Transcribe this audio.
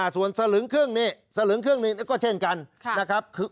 ส่วนสลึงครึ่งนี่ก็เช่นกันนะครับ